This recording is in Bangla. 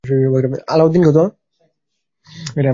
আমি আছি আপনাদের সাথে।